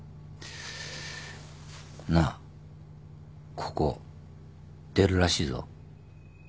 なあここ出るらしいぞ。